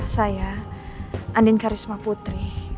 saya andin karisma putri